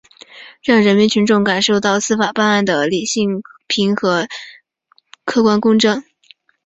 让人民群众感受到司法办案的理性平和、客观公正